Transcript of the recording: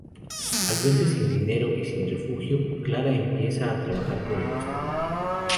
Al verse sin dinero y sin refugio, Clara empieza a trabajar como prostituta.